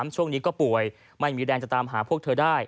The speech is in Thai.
ช่วงนี้ก็ป่วยไม่มีแรงจะตามหาพวกเธอได้